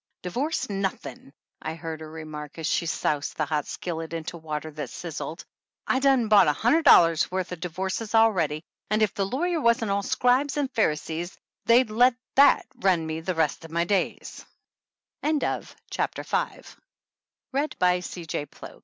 "Divorce nothin'," I heard her remark as she soused the hot skillet into water that sizzled, "I done bought a hundred dollars' worth o' divorces already, and if the lawyers wasn't all scribes and Pharisees they'd let that run me the rest